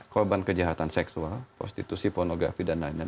korban kejahatan seksual prostitusi pornografi dan lain lain